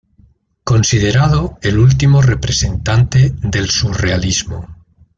Considerado el último representante del surrealismo.